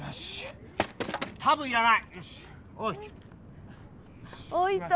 多分いらない。